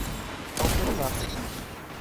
Alpercata